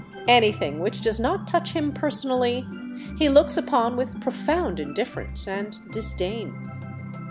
Anything which does not touch him personally he looks upon with profound indifference and disdain.